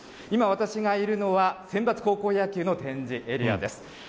今、私がいるのは、センバツ高校野球の展示エリアです。